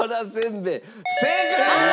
正解！